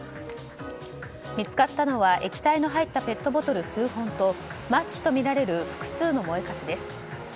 見つかったのは液体の入ったペットボトル数本とマッチとみられる複数の燃えかすです。